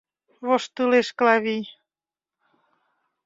— Воштылеш Клавий.